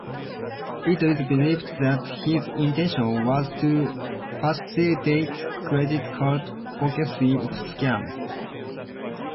It is believed that his intention was to facilitate credit card forgery scams.